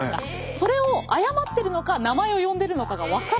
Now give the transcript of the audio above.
それを謝ってるのか名前を呼んでるのかが分からない。